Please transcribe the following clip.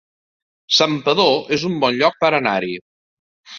Santpedor es un bon lloc per anar-hi